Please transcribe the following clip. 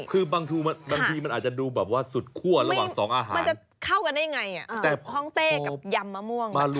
คือบางทีมันอาจจะดูแบบว่าสุดคั่วระหว่างสองอาหาร